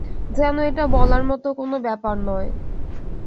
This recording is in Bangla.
যেন এটা বলার মতো কোনো ব্যাপার নয়।